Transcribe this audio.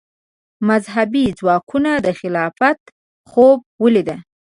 مذهبي ځواکونو د خلافت خوب ولید